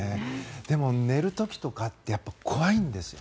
でも、寝る時とか怖いんです。